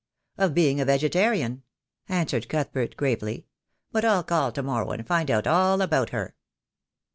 "Of being a vegetarian," answered Cuthbert gravely. "But I'll call to morow, and find out all about her."